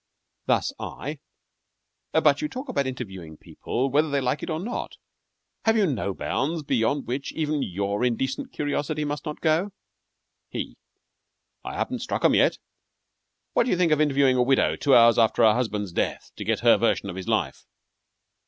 Thus: I But you talk about interviewing people whether they like it or not. Have you no bounds beyond which even your indecent curiosity must not go? HE I haven't struck 'em yet. What do you think of interviewing a widow two hours after her husband's death, to get her version of his life?